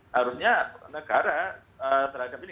harusnya negara terhadap ini